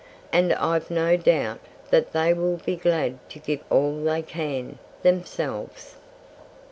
"And I've no doubt that they will be glad to give all they can, themselves."